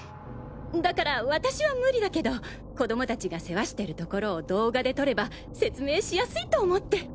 だから私は無理だけど子供達が世話してるところを動画で撮れば説明しやすいと思って。